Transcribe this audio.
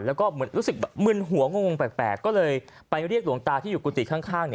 แล้วก็เหมือนรู้สึกมึนหัวงงแปลกก็เลยไปเรียกหลวงตาที่อยู่กุฏิข้าง